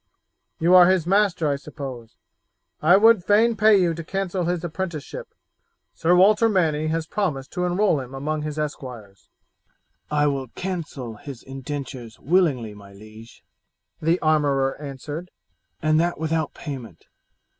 You are his master, I suppose? I would fain pay you to cancel his apprenticeship. Sir Walter Manny has promised to enroll him among his esquires." "I will cancel his indentures willingly, my liege," the armourer answered, "and that without payment.